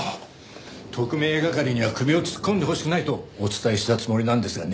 特命係には首を突っ込んでほしくないとお伝えしたつもりなんですがね。